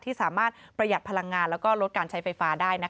ที่สามารถประหยัดพลังงานแล้วก็ลดการใช้ไฟฟ้าได้